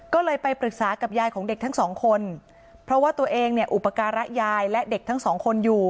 ก็เลยไปปรึกษากับยายของเด็กทั้งสองคนเพราะว่าตัวเองเนี่ยอุปการะยายและเด็กทั้งสองคนอยู่